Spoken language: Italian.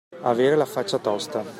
Avere la faccia tosta.